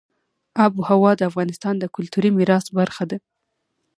آب وهوا د افغانستان د کلتوري میراث برخه ده.